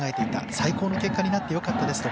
最高の結果になってよかったですと。